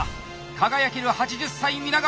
輝ける８０歳皆川！